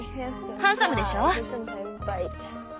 ハンサムでしょう？